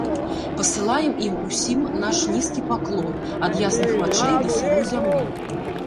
Пасылаем ім усім наш нізкі паклон, ад ясных вачэй да сырой зямлі.